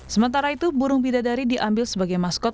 sementara itu burung bidadari diambil sebagai maskot